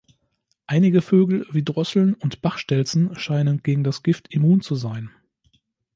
Einige Vögel wie Drosseln und Bachstelzen scheinen gegen das Gift immun zu sein.